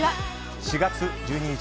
４月１２日